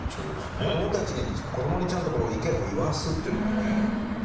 子どもたちに子どもにちゃんとこう意見を言わすっていうのがね。